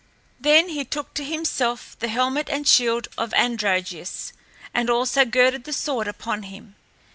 Then he took to himself the helmet and shield of Androgeos and also girded the sword upon him.